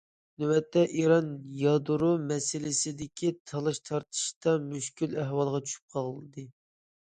نۆۋەتتە، ئىران يادرو مەسىلىسىدىكى تالاش- تارتىشتا مۈشكۈل ئەھۋالغا چۈشۈپ قالدى.